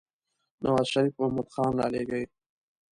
نوازشريف محمود خان رالېږي.